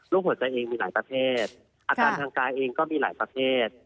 หัวใจเองมีหลายประเทศอาการทางกายเองก็มีหลายประเภท